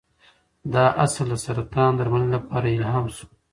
دا اصل د سرطان درملنې لپاره الهام شو.